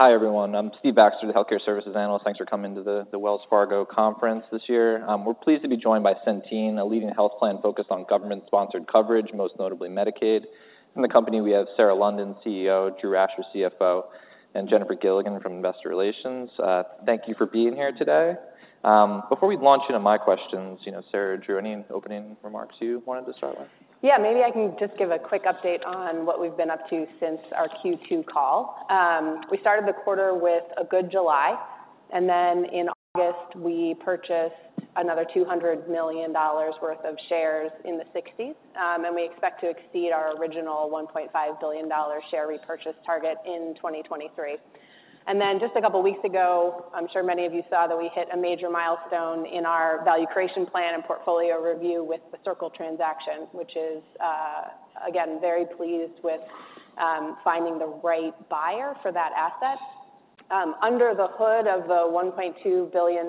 Hi, everyone. I'm Steve Baxter, the healthcare services analyst. Thanks for coming to the Wells Fargo conference this year. We're pleased to be joined by Centene, a leading health plan focused on government-sponsored coverage, most notably Medicaid. From the company, we have Sarah London, CEO, Drew Asher, CFO, and Jennifer Gilligan from Investor Relations. Thank you for being here today. Before we launch into my questions, you know, Sarah, Drew, any opening remarks you wanted to start with? Yeah, maybe I can just give a quick update on what we've been up to since our Q2 call. We started the quarter with a good July, and then in August, we purchased another $200 million worth of shares in the 60s. And we expect to exceed our original $1.5 billion share repurchase target in 2023. And then just a couple of weeks ago, I'm sure many of you saw that we hit a major milestone in our value creation plan and portfolio review with the Circle transaction, which is, again, very pleased with, finding the right buyer for that asset. Under the hood of the $1.2 billion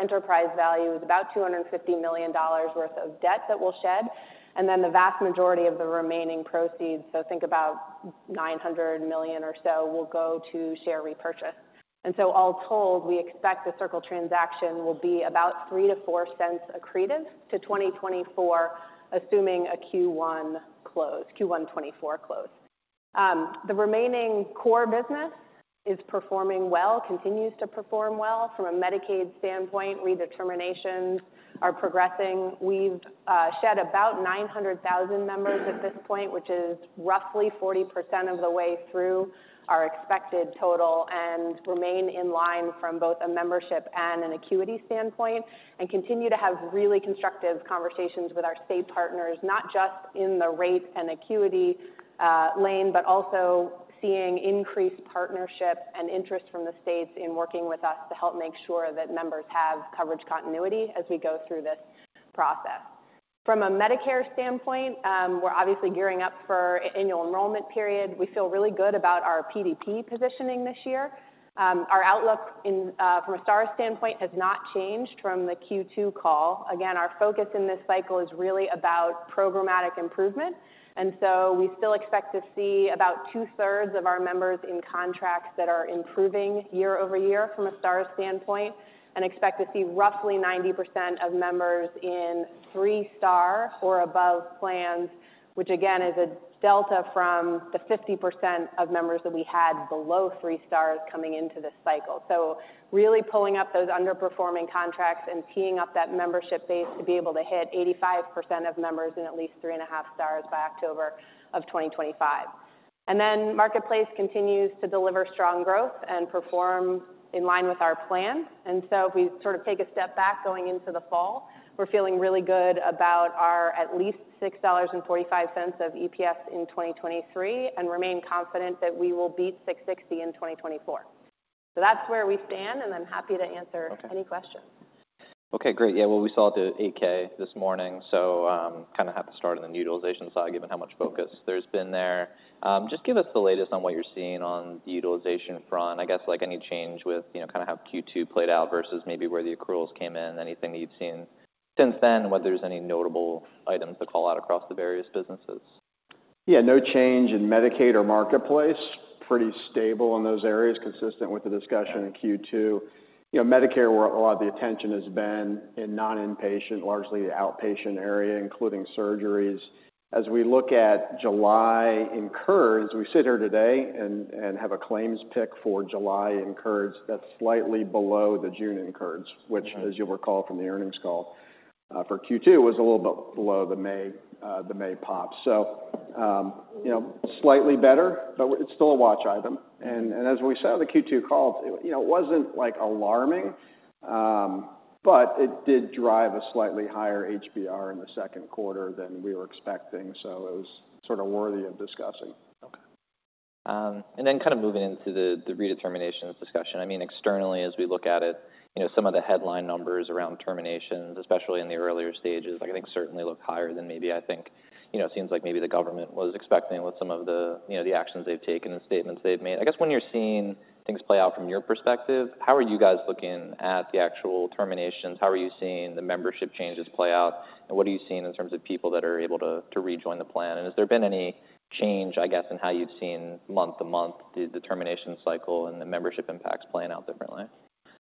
enterprise value is about $250 million worth of debt that we'll shed, and then the vast majority of the remaining proceeds, so think about $900 million or so, will go to share repurchase. So all told, we expect the Circle transaction will be about $0.03-$0.04 accretive to 2024, assuming a Q1 close, Q1 2024 close. The remaining core business is performing well, continues to perform well. From a Medicaid standpoint, redeterminations are progressing. We've shed about 900,000 members at this point, which is roughly 40% of the way through our expected total and remain in line from both a membership and an acuity standpoint, and continue to have really constructive conversations with our state partners, not just in the rates and acuity lane, but also seeing increased partnership and interest from the states in working with us to help make sure that members have coverage continuity as we go through this process. From a Medicare standpoint, we're obviously gearing up for annual enrollment period. We feel really good about our PDP positioning this year. Our outlook in, from a Star standpoint, has not changed from the Q2 call. Again, our focus in this cycle is really about programmatic improvement, and so we still expect to see about two-thirds of our members in contracts that are improving year-over-year from a Star standpoint, and expect to see roughly 90% of members in 3-Star or above plans, which again, is a delta from the 50% of members that we had below 3 stars coming into this cycle. So really pulling up those underperforming contracts and teeing up that membership base to be able to hit 85% of members in at least 3.5 stars by October 2025. And then Marketplace continues to deliver strong growth and perform in line with our plan. And so if we sort of take a step back going into the fall, we're feeling really good about our at least $6.45 of EPS in 2023, and remain confident that we will beat $6.60 in 2024. So that's where we stand, and I'm happy to answer any questions. Okay, great. Yeah, well, we saw the 8-K this morning, so, kind of have to start on the utilization side, given how much focus there's been there. Just give us the latest on what you're seeing on the utilization front. I guess, like any change with, you know, kind of how Q2 played out versus maybe where the accruals came in, anything that you've seen since then, whether there's any notable items to call out across the various businesses? Yeah, no change in Medicaid or Marketplace. Pretty stable in those areas, consistent with the discussion in Q2. You know, Medicare, where a lot of the attention has been in non-inpatient, largely the outpatient area, including surgeries. As we look at July incurs, we sit here today and have a claims pick for July incurs that's slightly below the June incurs, which, as you'll recall from the earnings call for Q2, was a little bit below the May pop. So, you know, slightly better, but it's still a watch item. And as we said on the Q2 call, you know, it wasn't like alarming, but it did drive a slightly higher HBR in the second quarter than we were expecting, so it was sort of worthy of discussing. Okay. And then kind of moving into the redetermination discussion. I mean, externally, as we look at it, you know, some of the headline numbers around terminations, especially in the earlier stages, I think certainly look higher than maybe, I think, you know, seems like maybe the government was expecting with some of the, you know, the actions they've taken and statements they've made. I guess when you're seeing things play out from your perspective, how are you guys looking at the actual terminations? How are you seeing the membership changes play out, and what are you seeing in terms of people that are able to rejoin the plan? And has there been any change, I guess, in how you've seen month-to-month, the determination cycle and the membership impacts playing out differently?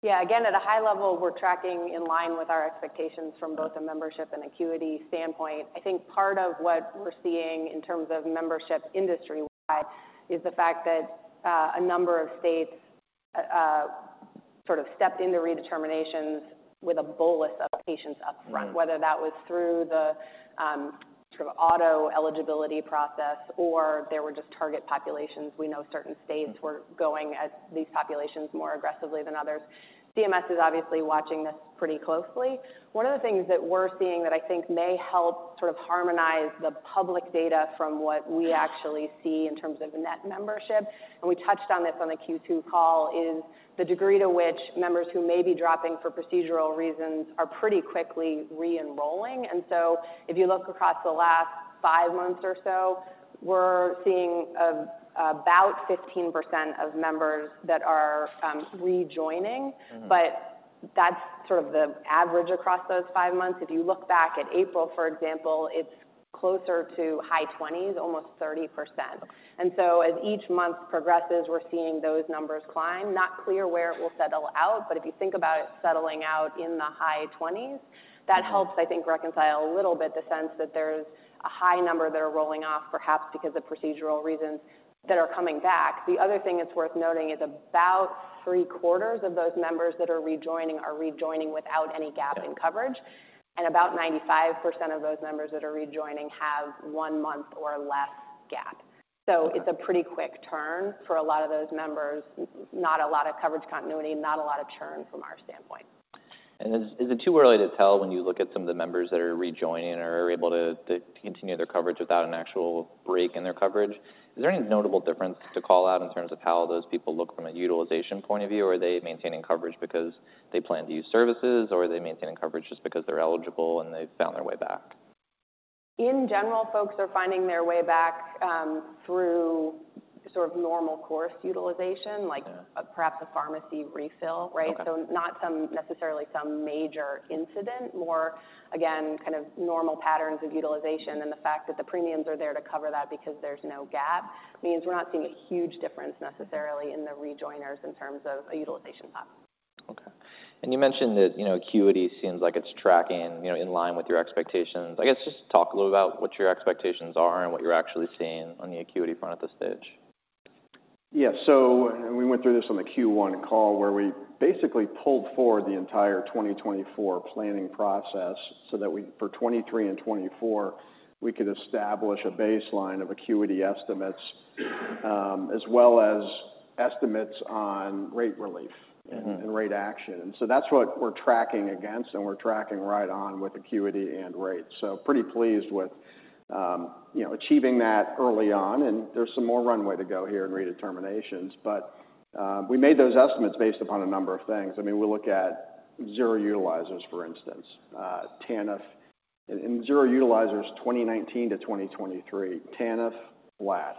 Yeah, again, at a high level, we're tracking in line with our expectations from both a membership and acuity standpoint. I think part of what we're seeing in terms of membership industry-wide is the fact that, a number of states, sort of stepped into redeterminations with a bolus of patients up front, whether that was through the, sort of auto eligibility process or there were just target populations. We know certain states were going at these populations more aggressively than others. CMS is obviously watching this pretty closely. One of the things that we're seeing that I think may help sort of harmonize the public data from what we actually see in terms of net membership, and we touched on this on the Q2 call, is the degree to which members who may be dropping for procedural reasons are pretty quickly re-enrolling. And so if you look across the last five months or so, we're seeing about 15% of members that are rejoining- Mm-hmm. But that's sort of the average across those five months. If you look back at April, for example, it's closer to high 20%s, almost 30%. And so as each month progresses, we're seeing those numbers climb. Not clear where it will settle out, but if you think about it settling out in the high 20%, that helps, I think, reconcile a little bit the sense that there's a high number that are rolling off, perhaps because of procedural reasons, that are coming back. The other thing that's worth noting is about three-quarters of those members that are rejoining are rejoining without any gap in coverage, and about 95% of those members that are rejoining have one month or less gap. So it's a pretty quick turn for a lot of those members. Not a lot of coverage continuity, not a lot of churn from our standpoint. Is it too early to tell when you look at some of the members that are rejoining or are able to continue their coverage without an actual break in their coverage? Is there any notable difference to call out in terms of how those people look from a utilization point of view, or are they maintaining coverage because they plan to use services, or are they maintaining coverage just because they're eligible and they've found their way back? In general, folks are finding their way back, through sort of normal course utilization, like- Yeah perhaps a pharmacy refill, right? Okay. So, not necessarily some major incident. More, again, kind of normal patterns of utilization and the fact that the premiums are there to cover that because there's no gap means we're not seeing a huge difference necessarily in the rejoiners in terms of a utilization pattern. Okay. And you mentioned that, you know, acuity seems like it's tracking, you know, in line with your expectations. I guess, just talk a little about what your expectations are and what you're actually seeing on the acuity front at this stage. Yeah. So and we went through this on the Q1 call, where we basically pulled forward the entire 2024 planning process so that we, for 2023 and 2024, we could establish a baseline of acuity estimates, as well as estimates on rate relief- Mm-hmm - and rate action. And so that's what we're tracking against, and we're tracking right on with acuity and rates. So pretty pleased with, you know, achieving that early on, and there's some more runway to go here in redeterminations. But we made those estimates based upon a number of things. I mean, we look at zero utilizers, for instance, TANF. And zero utilizers, 2019 to 2023, TANF, flat.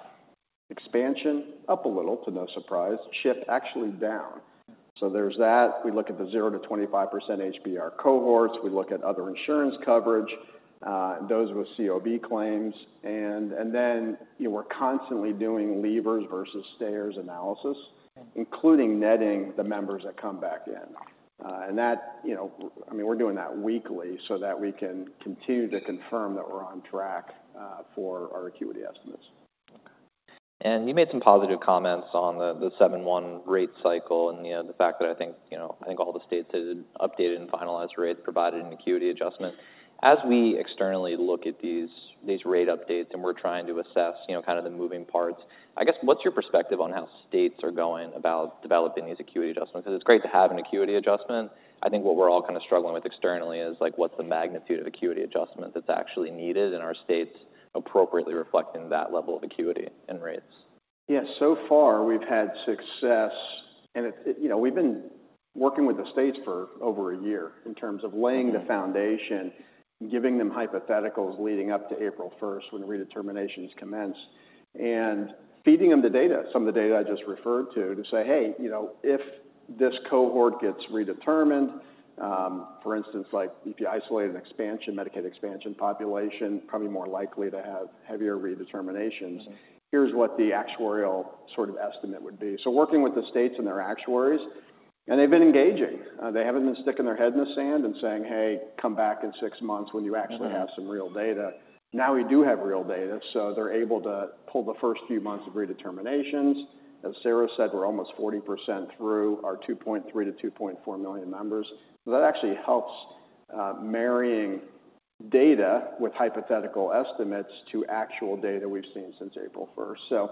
Expansion, up a little to no surprise. CHIP, actually down. So there's that. We look at the zero to 25% HBR cohorts. We look at other insurance coverage, those with COB claims, and then, you know, we're constantly doing leavers versus stayers analysis including netting the members that come back in. And that, you know... I mean, we're doing that weekly so that we can continue to confirm that we're on track for our acuity estimates. Okay. And you made some positive comments on the 7.1 rate cycle, and, you know, the fact that I think, you know, I think all the states that had updated and finalized rates provided an acuity adjustment. As we externally look at these rate updates, and we're trying to assess, you know, kind of the moving parts, I guess, what's your perspective on how states are going about developing these acuity adjustments? 'Cause it's great to have an acuity adjustment. I think what we're all kind of struggling with externally is, like, what's the magnitude of acuity adjustment that's actually needed, and are states appropriately reflecting that level of acuity in rates? Yes. So far, we've had success, and it, you know, we've been working with the states for over a year in terms of laying the foundation, giving them hypotheticals leading up to April first, when the redeterminations commenced, and feeding them the data, some of the data I just referred to, to say, "Hey, you know, if this cohort gets redetermined, for instance, like if you isolate an expansion, Medicaid expansion population, probably more likely to have heavier redeterminations here's what the actuarial sort of estimate would be." So working with the states and their actuaries, and they've been engaging. They haven't been sticking their head in the sand and saying: Hey, come back in six months when you actually- Mm-hmm... have some real data. Now we do have real data, so they're able to pull the first few months of redeterminations. As Sarah said, we're almost 40% through our 2.3 million-2.4 million members. So that actually helps, marrying data with hypothetical estimates to actual data we've seen since April first. So,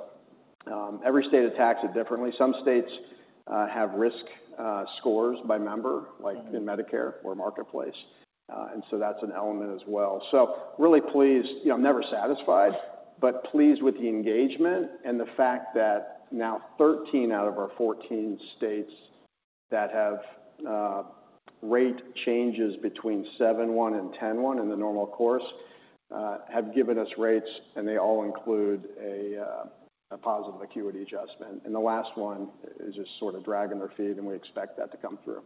every state attacks it differently. Some states have risk scores by member- Mm-hmm Like in Medicare or Marketplace, and so that's an element as well. So really pleased, you know, never satisfied, but pleased with the engagement and the fact that now 13 out of our 14 states that have rate changes between 7/1 and 10/1 in the normal course have given us rates, and they all include a positive acuity adjustment, and the last one is just sort of dragging their feet, and we expect that to come through.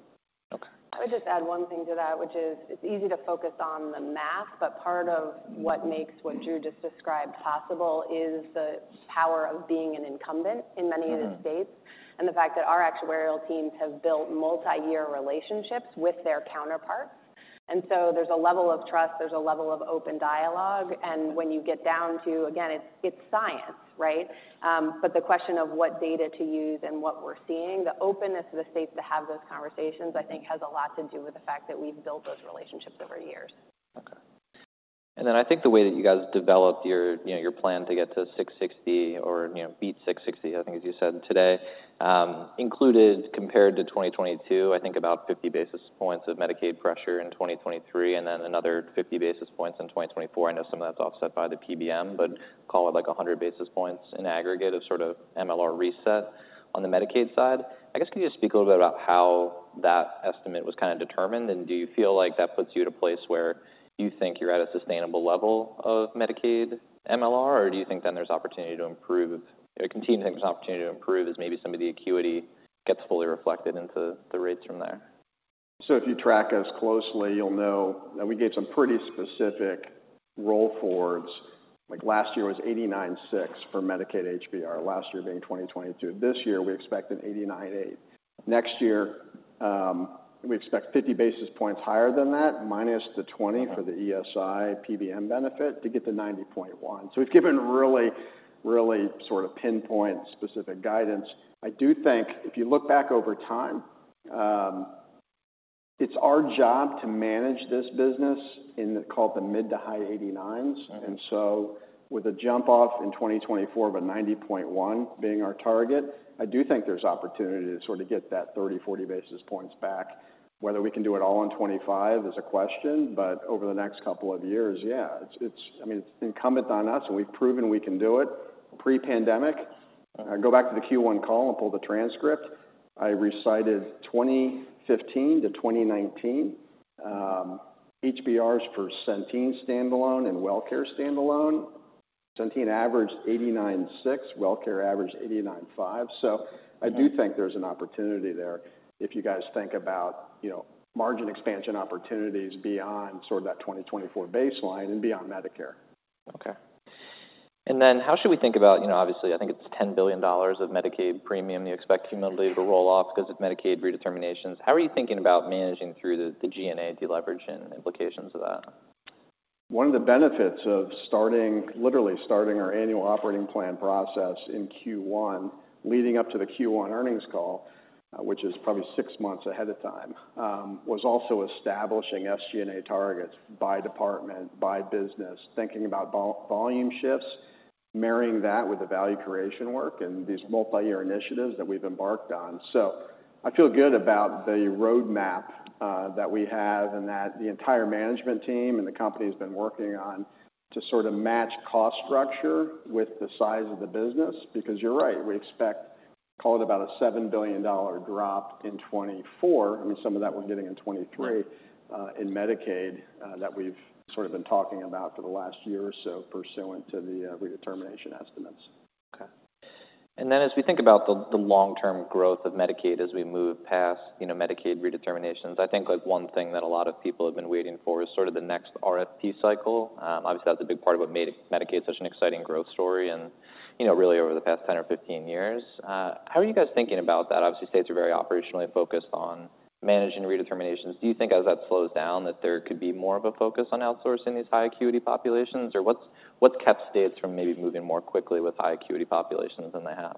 Okay. I would just add one thing to that, which is it's easy to focus on the math, but part of what makes what Drew just described possible is the power of being an incumbent in many of the states. Mm-hmm. The fact that our actuarial teams have built multi-year relationships with their counterparts. So there's a level of trust, there's a level of open dialogue, and when you get down to... Again, it's science, right? But the question of what data to use and what we're seeing, the openness of the states to have those conversations, I think, has a lot to do with the fact that we've built those relationships over years. Okay. And then I think the way that you guys developed your, you know, your plan to get to $6.60 or, you know, beat $6.60, I think, as you said today, included, compared to 2022, I think about 50 basis points of Medicaid pressure in 2023, and then another 50 basis points in 2024. I know some of that's offset by the PBM, but call it like 100 basis points in aggregate of sort of MLR reset on the Medicaid side. I guess, can you just speak a little bit about how that estimate was kind of determined? Do you feel like that puts you at a place where you think you're at a sustainable level of Medicaid MLR, or do you think then there's opportunity to improve, or continue to take this opportunity to improve as maybe some of the acuity gets fully reflected into the rates from there? So if you track us closely, you'll know that we gave some pretty specific roll forwards. Like, last year was 89.6% for Medicaid HBR, last year being 2022. This year, we expect an 89.8%. Next year, we expect 50 basis points higher than that, minus the 20 for the ESI PBM benefit to get to 90.1%. So we've given really, really sort of pinpoint specific guidance. I do think if you look back over time, it's our job to manage this business in call it the mid- to high 89s. Uh-huh. And so with a jump off in 2024 of a 90.1% being our target, I do think there's opportunity to sort of get that 30-40 basis points back. Whether we can do it all in 2025 is a question, but over the next couple of years, yeah, it's, it's—I mean, it's incumbent on us, and we've proven we can do it pre-pandemic. Uh-huh. Go back to the Q1 call and pull the transcript. I recited 2015-2019 HBRs for Centene standalone and Wellcare standalone. Centene averaged 89.6%, Wellcare averaged 89.5%. Uh-huh. So I do think there's an opportunity there if you guys think about, you know, margin expansion opportunities beyond sort of that 2024 baseline and beyond Medicare. Okay. And then how should we think about, you know, obviously, I think it's $10 billion of Medicaid premium you expect cumulatively to roll off because of Medicaid redeterminations. How are you thinking about managing through the G&A deleverage and implications of that? One of the benefits of starting, literally starting our annual operating plan process in Q1, leading up to the Q1 earnings call, which is probably six months ahead of time, was also establishing SG&A targets by department, by business, thinking about volume shifts, marrying that with the value creation work and these multi-year initiatives that we've embarked on. So I feel good about the roadmap, that we have and that the entire management team and the company has been working on to sort of match cost structure with the size of the business. Because you're right, we expect, call it, about a $7 billion drop in 2024. I mean, some of that we're getting in 2023- Yeah in Medicaid, that we've sort of been talking about for the last year or so, pursuant to the redetermination estimates. Okay. And then as we think about the long-term growth of Medicaid as we move past, you know, Medicaid redeterminations, I think like one thing that a lot of people have been waiting for is sort of the next RFP cycle. Obviously, that's a big part of what made Medicaid such an exciting growth story and, you know, really over the past 10 or 15 years. How are you guys thinking about that? Obviously, states are very operationally focused on managing redeterminations. Do you think as that slows down, that there could be more of a focus on outsourcing these high acuity populations? Or what's kept states from maybe moving more quickly with high acuity populations than they have?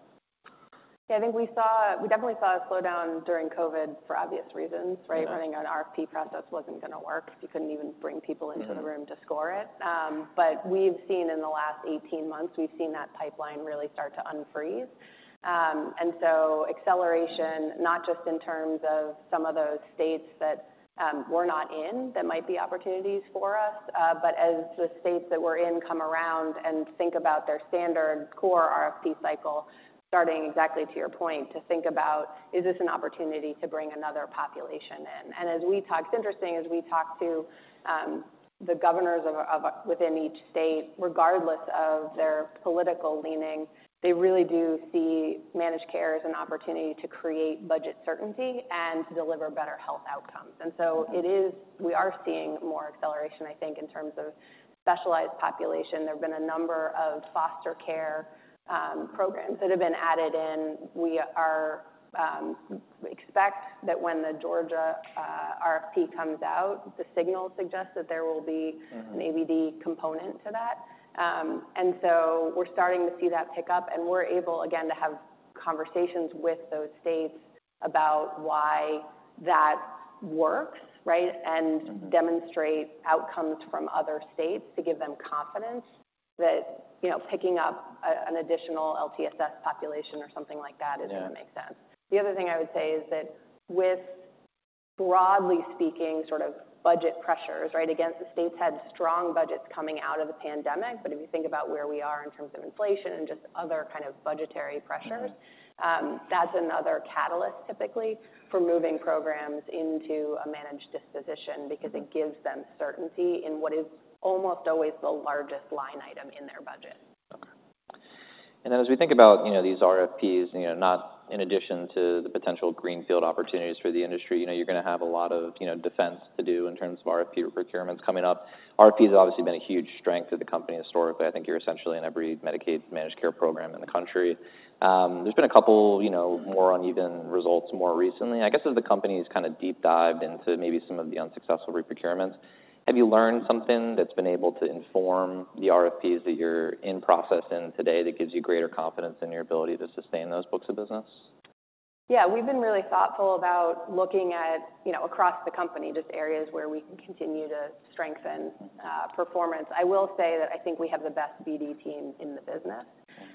Yeah, I think we saw—we definitely saw a slowdown during COVID, for obvious reasons, right? Yeah. Running an RFP process wasn't going to work if you couldn't even bring people into the room- Mm-hmm -to score it. But we've seen in the last 18 months, we've seen that pipeline really start to unfreeze. And so acceleration, not just in terms of some of those states that we're not in, that might be opportunities for us, but as the states that we're in come around and think about their standard core RFP cycle, starting exactly to your point, to think about, is this an opportunity to bring another population in? And as we talk... It's interesting, as we talk to the governors of within each state, regardless of their political leaning, they really do see managed care as an opportunity to create budget certainty and to deliver better health outcomes. Mm-hmm. And so it is, we are seeing more acceleration, I think, in terms of specialized population. There have been a number of foster care programs that have been added in. We expect that when the Georgia RFP comes out, the siG&Al suggests that there will be- Mm-hmm -an ABD component to that. And so we're starting to see that pick up, and we're able, again, to have conversations with those states about why that works, right? Mm-hmm. demonstrate outcomes from other states to give them confidence that, you know, picking up an additional LTSS population or something like that- Yeah is gonna make sense. The other thing I would say is that with broadly speaking, sort of budget pressures, right? Again, the states had strong budgets coming out of the pandemic, but if you think about where we are in terms of inflation and just other kind of budgetary pressures- Mm-hmm... that's another catalyst typically for moving programs into a managed disposition, because it gives them certainty in what is almost always the largest line item in their budget. Okay. And then as we think about, you know, these RFPs, you know, not in addition to the potential greenfield opportunities for the industry, you know, you're going to have a lot of, you know, defense to do in terms of RFP procurements coming up. RFPs have obviously been a huge strength of the company historically. I think you're essentially in every Medicaid managed care program in the country. There's been a couple, you know, more uneven results more recently. I guess, as the company's kind of deep dived into maybe some of the unsuccessful reprocurements, have you learned something that's been able to inform the RFPs that you're in processing today, that gives you greater confidence in your ability to sustain those books of business? Yeah, we've been really thoughtful about looking at, you know, across the company, just areas where we can continue to strengthen performance. I will say that I think we have the best BD team in the business.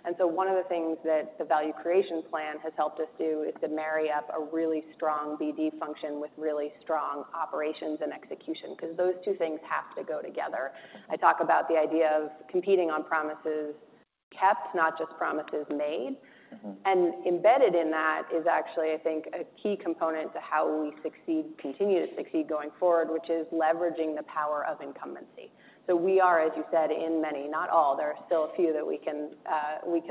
Mm-hmm. One of the things that the value creation plan has helped us do is to marry up a really strong BD function with really strong operations and execution, 'cause those two things have to go together. I talk about the idea of competing on promises kept, not just promises made. Mm-hmm. Embedded in that is actually, I think, a key component to how we succeed, continue to succeed going forward, which is leveraging the power of incumbency. So we are, as you said, in many, not all, there are still a few that we can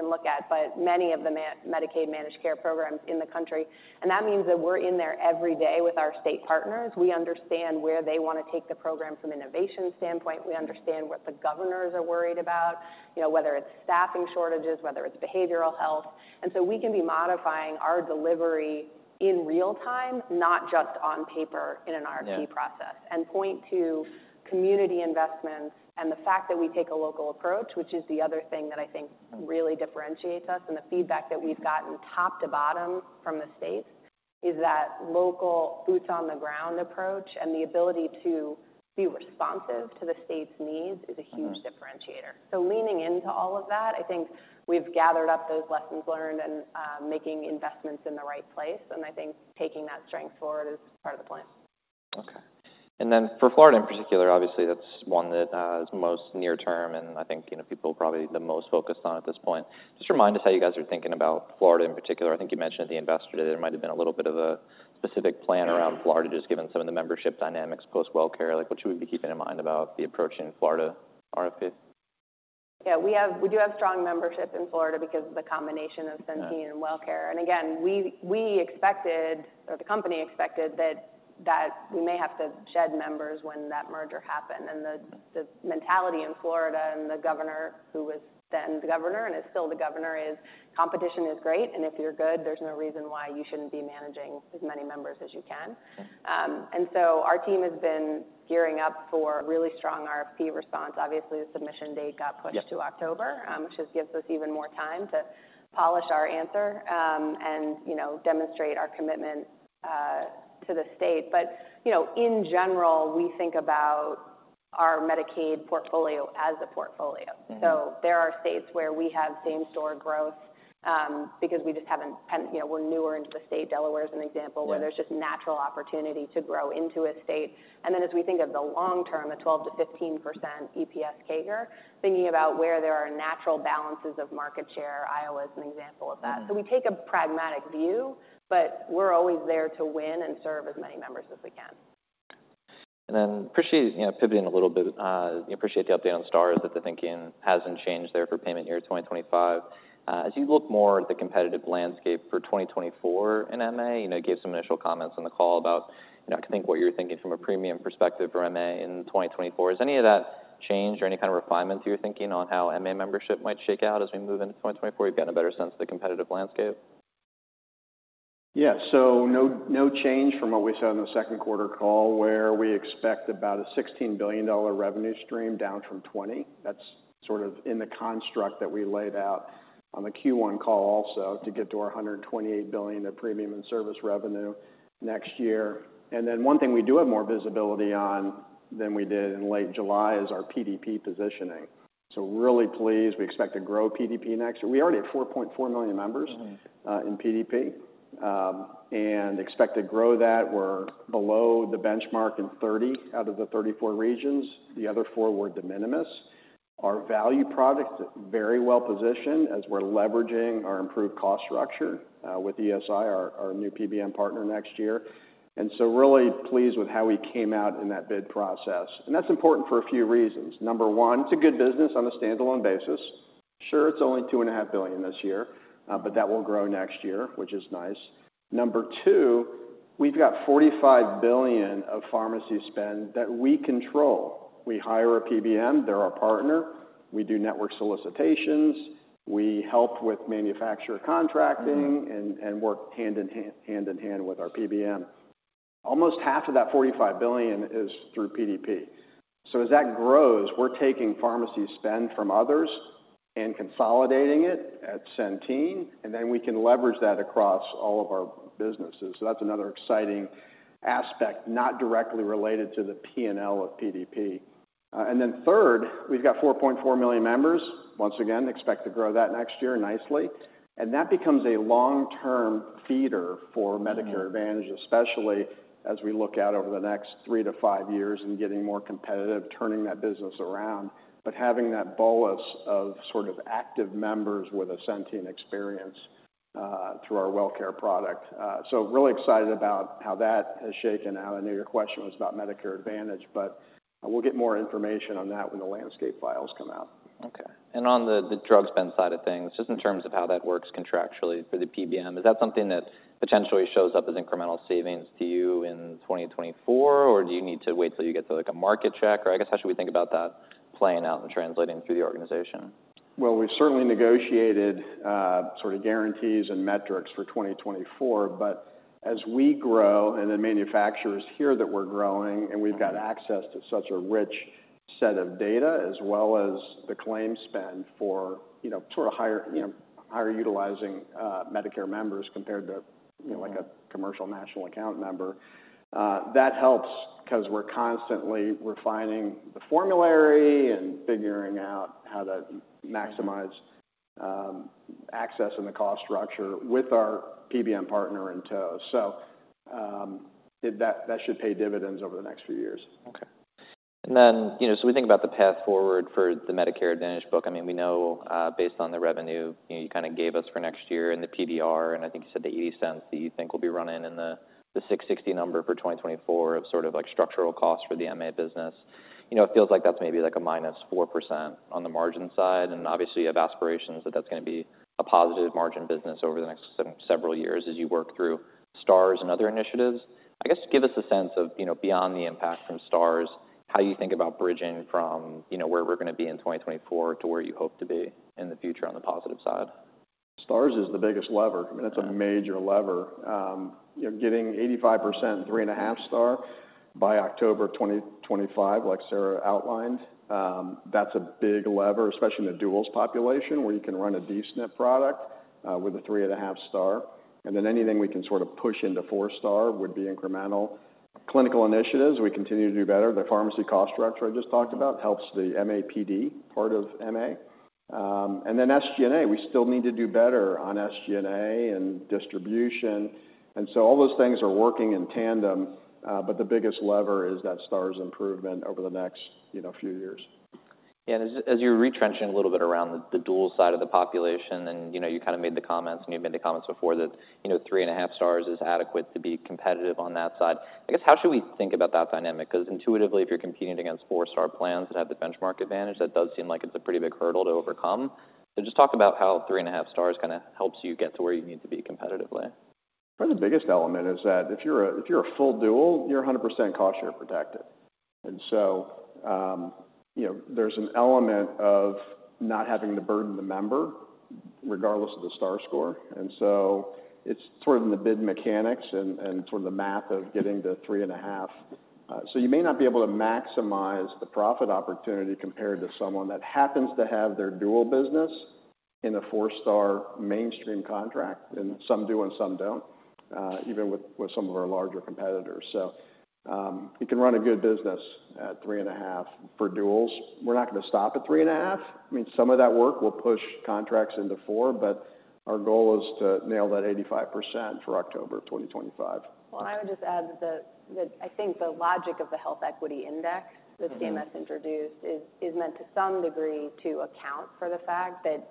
look at, but many of the Medicaid managed care programs in the country, and that means that we're in there every day with our state partners. We understand where they want to take the program from an innovation standpoint. We understand what the governors are worried about, you know, whether it's staffing shortages, whether it's behavioral health. And so we can be modifying our delivery in real time, not just on paper in an RFP process. Yeah. And point to community investments and the fact that we take a local approach, which is the other thing that I think really differentiates us. And the feedback that we've gotten top to bottom from the states is that local boots on the ground approach and the ability to be responsive to the state's needs is a huge differentiator. Mm-hmm. So leaning into all of that, I think we've gathered up those lessons learned and making investments in the right place, and I think taking that strength forward is part of the plan. Okay. And then for Florida in particular, obviously, that's one that is most near term, and I think, you know, people are probably the most focused on at this point. Just remind us how you guys are thinking about Florida in particular. I think you mentioned the investor today, there might have been a little bit of a specific plan around Florida, just given some of the membership dynamics post-Wellcare. Like, what should we be keeping in mind about the approach in Florida RFPs? Yeah, we do have strong membership in Florida because of the combination of Centene and Wellcare. Yeah. And again, we expected, or the company expected, that we may have to shed members when that merger happened. The mentality in Florida and the governor, who was then the governor and is still the governor, is competition is great, and if you're good, there's no reason why you shouldn't be managing as many members as you can. Okay. And so our team has been gearing up for a really strong RFP response. Obviously, the submission date got pushed to October- Yeah... which just gives us even more time to polish our answer, and, you know, demonstrate our commitment to the state. But, you know, in general, we think about our Medicaid portfolio as a portfolio. Mm-hmm. So there are states where we have same-store growth, because we just haven't, you know, we're newer into the state. Delaware is an example- Yeah... where there's just natural opportunity to grow into a state. And then as we think of the long term, the 12%-15% EPS CAGR, thinking about where there are natural balances of market share, Iowa is an example of that. Mm-hmm. We take a pragmatic view, but we're always there to win and serve as many members as we can. And then appreciate, you know, pivoting a little bit, appreciate the update on Stars, that the thinking hasn't changed there for payment year 2025. As you look more at the competitive landscape for 2024 in MA, you know, gave some initial comments on the call about, you know, I think what you're thinking from a premium perspective for MA in 2024. Has any of that changed or any kind of refinements you're thinking on how MA membership might shake out as we move into 2024? You've gotten a better sense of the competitive landscape. Yeah. So no, no change from what we said on the second quarter call, where we expect about a $16 billion revenue stream, down from $20 billion. That's sort of in the construct that we laid out on the Q1 call also, to get to our $128 billion of premium and service revenue next year. And then one thing we do have more visibility on than we did in late July is our PDP positioning. So we're really pleased. We expect to grow PDP next year. We already have 4.4 million members- Mm-hmm... in PDP, and expect to grow that. We're below the benchmark in 30 out of the 34 regions. The other four were de minimis. Our value product is very well positioned as we're leveraging our improved cost structure, with ESI, our, our new PBM partner, next year. And so we're really pleased with how we came out in that bid process, and that's important for a few reasons. Number one, it's a good business on a standalone basis. Sure, it's only $2.5 billion this year, but that will grow next year, which is nice. Number two, we've got $45 billion of pharmacy spend that we control. We hire a PBM, they're our partner. We do network solicitations. We help with manufacturer contracting- Mm-hmm... and work hand in hand, hand in hand with our PBM. Almost half of that $45 billion is through PDP. So as that grows, we're taking pharmacy spend from others and consolidating it at Centene, and then we can leverage that across all of our businesses. So that's another exciting aspect, not directly related to the PNL of PDP. And then third, we've got 4.4 million members. Once again, expect to grow that next year nicely, and that becomes a long-term feeder for Medicare- Mm-hmm... Advantage, especially as we look out over the next three to five years and getting more competitive, turning that business around. But having that bolus of sort of active members with a Centene experience, through our Wellcare product. So really excited about how that has shaken out. I know your question was about Medicare Advantage, but, we'll get more information on that when the landscape files come out. Okay. On the drug spend side of things just in terms of how that works contractually for the PBM, is that something that potentially shows up as incremental savings to you in 2024? Or do you need to wait till you get to, like, a market check? Or I guess, how should we think about that playing out and translating through the organization? Well, we've certainly negotiated sort of guarantees and metrics for 2024, but as we grow and the manufacturers hear that we're growing and we've got access to such a rich set of data, as well as the claim spend for, you know, sort of higher, you know, higher utilizing, Medicare members compared to- Mm-hmm... you know, like a commercial national account member. That helps because we're constantly refining the formulary and figuring out how to maximize access and the cost structure with our PBM partner in tow. So, that, that should pay dividends over the next few years. Okay... And then, you know, so we think about the path forward for the Medicare Advantage book. I mean, we know, based on the revenue, you know, you kind of gave us for next year and the PDR, and I think you said the $0.80 that you think will be running in the $6.60 number for 2024 of sort of like structural costs for the MA business. You know, it feels like that's maybe like a -4% on the margin side, and obviously, you have aspirations that that's going to be a positive margin business over the next several years as you work through Stars and other initiatives. I guess, give us a sense of, you know, beyond the impact from Stars, how you think about bridging from, you know, where we're going to be in 2024 to where you hope to be in the future on the positive side? Stars is the biggest lever. I mean, it's a major lever. You're getting 85%, 3.5-star by October 2025, like Sarah outlined. That's a big lever, especially in the duals population, where you can run a D-SNP product with a 3.5-star, and then anything we can sort of push into 4-star would be incremental. Clinical initiatives, we continue to do better. The pharmacy cost structure I just talked about helps the MAPD part of MA. And then SG&A, we still need to do better on SG&A and distribution, and so all those things are working in tandem, but the biggest lever is that Stars improvement over the next, you know, few years. Yeah, and as you're retrenching a little bit around the dual side of the population, and, you know, you kind of made the comments, and you've made the comments before that, you know, 3.5 stars is adequate to be competitive on that side. I guess, how should we think about that dynamic? Because intuitively, if you're competing against four-star plans that have the benchmark advantage, that does seem like it's a pretty big hurdle to overcome. So just talk about how 3.5 stars kind of helps you get to where you need to be competitively. But the biggest element is that if you're a full dual, you're 100% cost share protected. And so, you know, there's an element of not having to burden the member, regardless of the star score. And so it's sort of in the bid mechanics and sort of the math of getting to 3.5. So you may not be able to maximize the profit opportunity compared to someone that happens to have their dual business in a 4-star mainstream contract, and some do and some don't, even with some of our larger competitors. So, you can run a good business at 3.5 for duals. We're not going to stop at 3.5. I mean, some of that work will push contracts into four, but our goal is to nail that 85% for October 2025. Well, I would just add that I think the logic of the Health Equity Index- Mm-hmm. that CMS introduced is meant to some degree to account for the fact that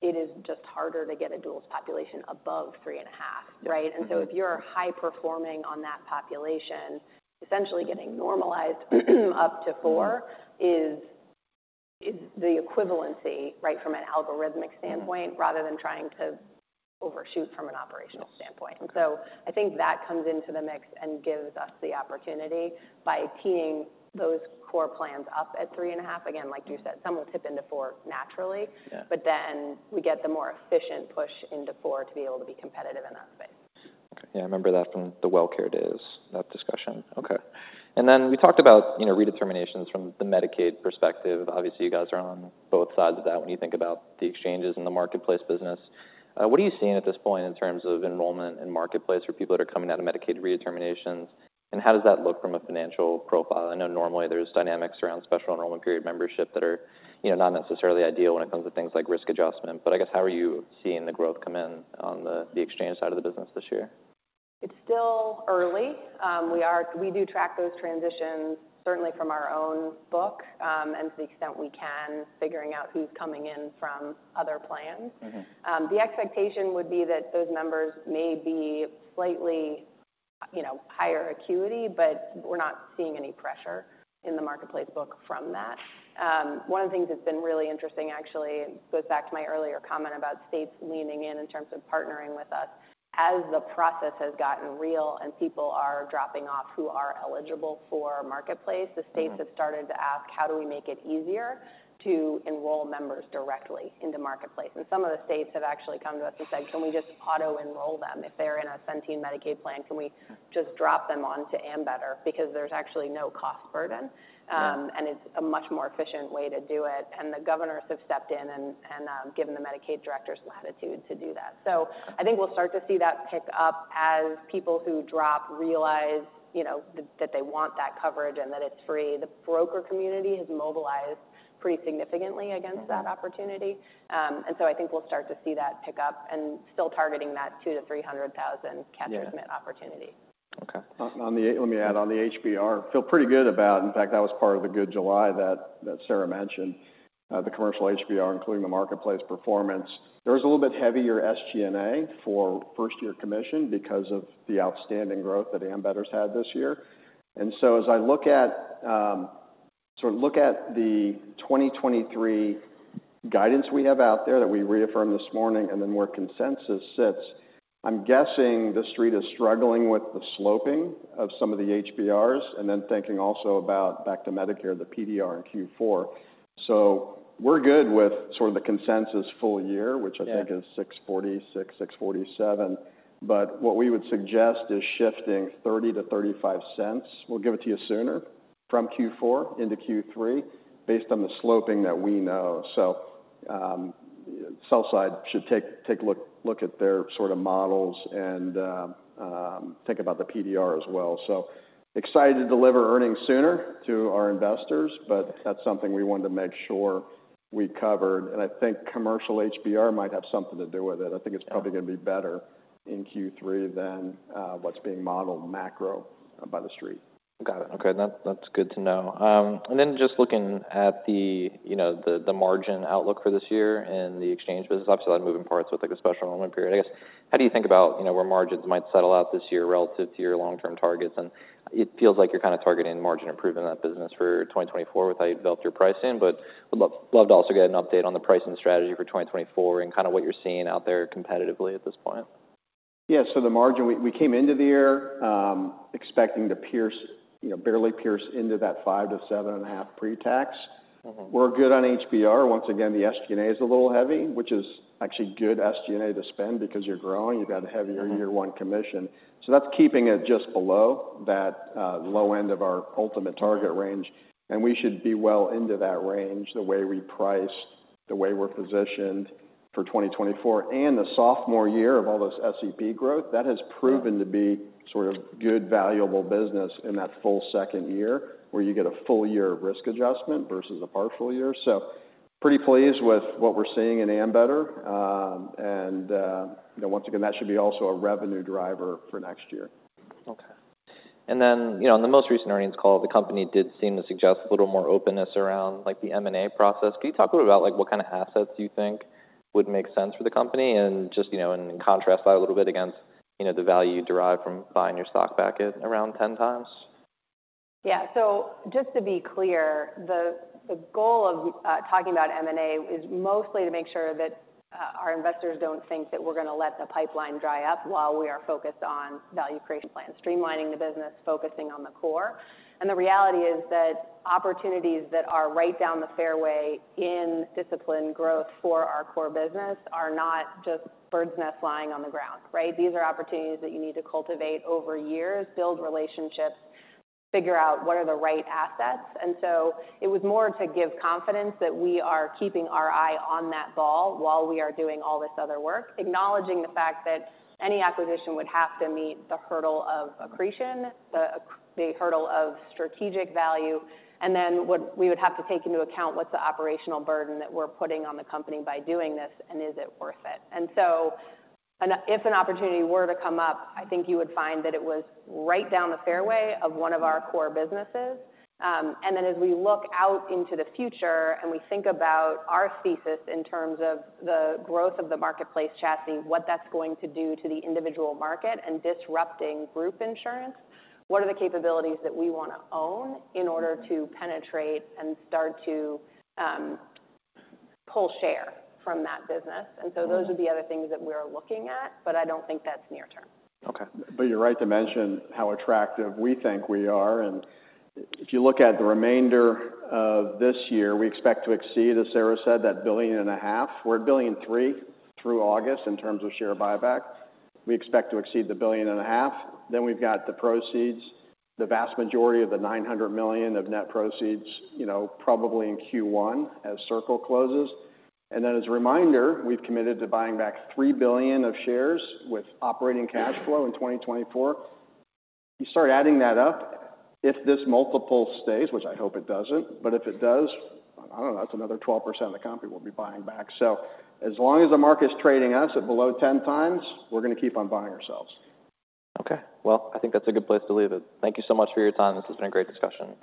it is just harder to get a dual population above three and a half, right? Mm-hmm. So if you're high performing on that population, essentially getting normalized, up to four is, is the equivalency, right, from an algorithmic standpoint- Mm-hmm. rather than trying to overshoot from an operational standpoint. I think that comes into the mix and gives us the opportunity by teeing those core plans up at 3.5. Again, like you said, some will tip into 4 naturally. Yeah. But then we get the more efficient push into 4 to be able to be competitive in that space. Okay. Yeah, I remember that from the Wellcare days, that discussion. Okay. And then we talked about, you know, redeterminations from the Medicaid perspective. Obviously, you guys are on both sides of that when you think about the exchanges and the marketplace business. What are you seeing at this point in terms of enrollment and marketplace for people that are coming out of Medicaid redeterminations, and how does that look from a financial profile? I know normally there's dynamics around special enrollment period membership that are, you know, not necessarily ideal when it comes to things like risk adjustment, but I guess, how are you seeing the growth come in on the exchange side of the business this year? It's still early. We do track those transitions, certainly from our own book, and to the extent we can, figuring out who's coming in from other plans. Mm-hmm. The expectation would be that those members may be slightly, you know, higher acuity, but we're not seeing any pressure in the marketplace book from that. One of the things that's been really interesting, actually, goes back to my earlier comment about states leaning in in terms of partnering with us. As the process has gotten real and people are dropping off who are eligible for marketplace- Mm-hmm. -the states have started to ask, "How do we make it easier to enroll members directly into Marketplace?" And some of the states have actually come to us and said, "Can we just auto-enroll them? If they're in a Centene Medicaid plan, can we just drop them on to Ambetter?" Because there's actually no cost burden- Yeah... and it's a much more efficient way to do it. And the governors have stepped in and given the Medicaid director some latitude to do that. So I think we'll start to see that pick up as people who drop realize, you know, that they want that coverage and that it's free. The broker community has mobilized pretty significantly- Mm-hmm -against that opportunity. And so I think we'll start to see that pick up and still targeting that 200,000-300,000- Yeah capture commit opportunity. Okay. Let me add, on the HBR, feel pretty good about. In fact, that was part of the good July that Sarah mentioned, the commercial HBR, including the marketplace performance. There was a little bit heavier SG&A for first-year commission because of the outstanding growth that Ambetter's had this year. And so as I look at, sort of look at the 2023 guidance we have out there, that we reaffirmed this morning and then where consensus sits, I'm guessing the street is struggling with the sloping of some of the HBRs and then thinking also about back to Medicare, the PDR in Q4. So we're good with sort of the consensus full year- Yeah... which I think is $6.40, $6.47. But what we would suggest is shifting $0.30-$0.35. We'll give it to you sooner, from Q4 into Q3, based on the sloping that we know. So, sell side should take a look at their sort of models and think about the PDR as well. So excited to deliver earnings sooner to our investors, but that's something we wanted to make sure we covered, and I think commercial HBR might have something to do with it. I think it's probably going to be better in Q3 than what's being modeled macro by The Street. Got it. Okay, that's, that's good to know. And then just looking at the, you know, the, the margin outlook for this year and the exchange business, obviously, moving parts with, like, a special enrollment period. I guess, how do you think about, you know, where margins might settle out this year relative to your long-term targets? And it feels like you're kind of targeting margin improvement in that business for 2024 with how you've built your pricing. But would love, love to also get an update on the pricing strategy for 2024 and kind of what you're seeing out there competitively at this point. Yeah, so the margin, we came into the year, expecting to pierce, you know, barely pierce into that 5-7.5 pre-tax. Mm-hmm. We're good on HBR. Once again, the SG&A is a little heavy, which is actually good SG&A to spend because you're growing, you've got a heavier- Mm-hmm - year one commission. So that's keeping it just below that, low end of our ultimate target range, and we should be well into that range the way we priced, the way we're positioned for 2024, and the sophomore year of all this SEP growth. That has proven to be sort of good, valuable business in that full second year, where you get a full year of risk adjustment versus a partial year. So pretty pleased with what we're seeing in Ambetter. You know, once again, that should be also a revenue driver for next year. Okay. And then, you know, in the most recent earnings call, the company did seem to suggest a little more openness around, like, the M&A process. Can you talk a bit about, like, what kind of assets you think would make sense for the company? And just, you know, and contrast that a little bit against, you know, the value derived from buying your stock back at around 10x. Yeah. So just to be clear, the goal of talking about M&A is mostly to make sure that our investors don't think that we're going to let the pipeline dry up while we are focused on value creation plan, streamlining the business, focusing on the core. And the reality is that opportunities that are right down the fairway in disciplined growth for our core business are not just bird's nest lying on the ground, right? These are opportunities that you need to cultivate over years, build relationships, figure out what are the right assets. And so it was more to give confidence that we are keeping our eye on that ball while we are doing all this other work, acknowledging the fact that any acquisition would have to meet the hurdle of accretion, the hurdle of strategic value, and then what we would have to take into account, what's the operational burden that we're putting on the company by doing this, and is it worth it? And so if an opportunity were to come up, I think you would find that it was right down the fairway of one of our core businesses. And then as we look out into the future and we think about our thesis in terms of the growth of the marketplace chassis, what that's going to do to the individual market and disrupting group insurance, what are the capabilities that we want to own in order to penetrate and start to pull share from that business? Mm-hmm. And so those are the other things that we are looking at, but I don't think that's near term. Okay. But you're right to mention how attractive we think we are, and if you look at the remainder of this year, we expect to exceed, as Sarah said, that $1.5 billion. We're at $1.3 billion through August in terms of share buyback. We expect to exceed the $1.5 billion. Then we've got the proceeds, the vast majority of the $900 million of net proceeds, you know, probably in Q1 as Circle closes. And then as a reminder, we've committed to buying back $3 billion of shares with operating cash flow in 2024. You start adding that up, if this multiple stays, which I hope it doesn't, but if it does, I don't know, that's another 12% of the company we'll be buying back. So as long as the market's trading us at below 10x, we're going to keep on buying ourselves. Okay. Well, I think that's a good place to leave it. Thank you so much for your time. This has been a great discussion.